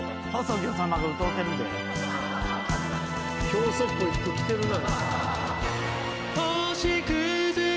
教祖っぽい服着てるな。